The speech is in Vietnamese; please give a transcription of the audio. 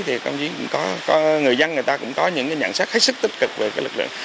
thì có người dân người ta cũng có những cái nhận xét khách sức tích cực về cái lực lượng